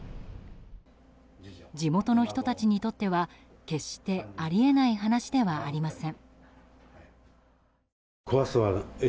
地元の人たちにとっては決してあり得ない話ではありません。